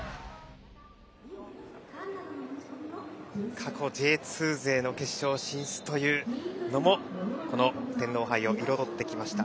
過去Ｊ２勢の決勝進出というのもこの天皇杯を彩ってきました。